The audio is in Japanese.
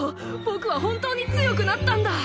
ぼくは本当に強くなったんだ！